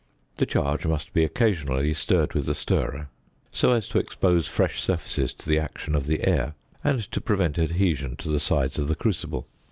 The charge must be occasionally stirred with the stirrer (fig. 10) so as to expose fresh surfaces to the action of the air, and to prevent adhesion to the sides of the crucible.